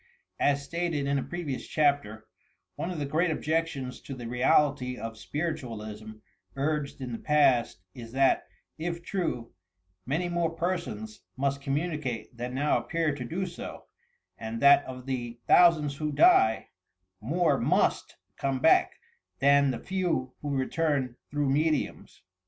As stated in a previous chapter, one of the great objections to the reality of spiritualism urged in the past, is that, if true, many more i>ersons must com municate than now appear to do so, and that of the thousands who die, more must come back than the few who return through mediums!